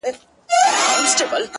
تا پاکه كړې ده; له هر رنگه غبار کوڅه;